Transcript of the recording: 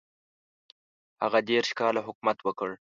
هغه دېرش کاله حکومت وکړ.